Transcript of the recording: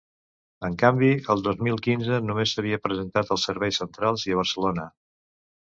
En canvi, el dos mil quinze només s’havia presentat als serveis centrals i a Barcelona.